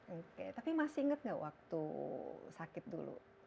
oke tapi masih ingat nggak waktu sakit dulu